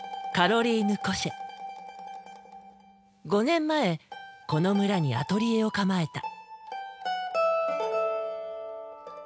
５年前この村にアトリエを構えた。